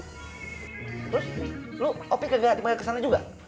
terus lu opi kegak dibayar kesana juga